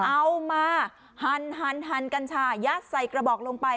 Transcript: เอามาหั่นกัญชายัดใส่กระบอกลงไป